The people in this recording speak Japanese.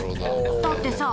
だってさ。